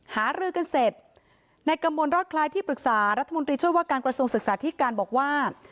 หารือกันเสร็จในกระมวลรอดคล้ายที่ปรึกษารัฐมนตรีช่วยว่าการกระทรวงศึกษาธิการบอกว่า